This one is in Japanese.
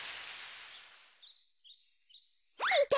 いた！